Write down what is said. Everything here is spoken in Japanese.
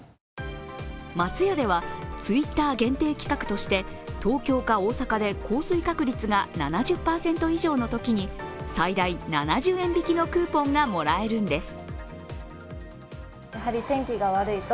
松屋ではＴｗｉｔｔｅｒ限定企画として東京か大阪で降水確率が７０％以上のときに最大７０円引きのクーポンがもらえるんです。